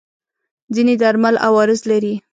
ځینې درمل عوارض لري.